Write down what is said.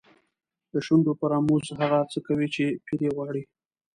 د شونډو په رموز هغه څه کوي چې پیر یې غواړي.